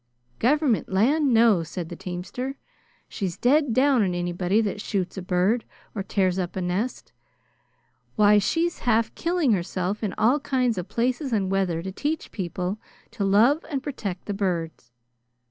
"Government land! No!" said the teamster. "She's dead down on anybody that shoots a bird or tears up a nest. Why, she's half killing herself in all kinds of places and weather to teach people to love and protect the birds.